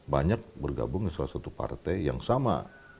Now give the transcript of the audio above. banyak bergabung di salah satu partai yang sama